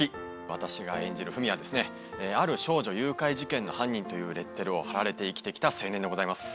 私が演じる文はですねある少女誘拐事件の犯人というレッテルを貼られて生きて来た青年でございます。